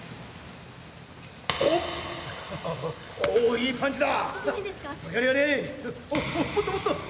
いいパンチだ。